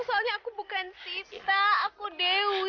soalnya aku bukan sisa aku dewi